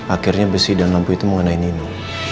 akhirnya besi dan lampu itu mengenai nino